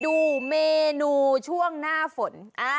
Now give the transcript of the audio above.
ดูเมนูช่วงหน้าฝน